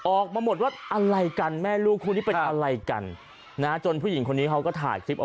ออกมาหมดว่าอะไรกันแม่ลูกคู่นี้เป็นอะไรกันนะจนผู้หญิงคนนี้เขาก็ถ่ายคลิปเอา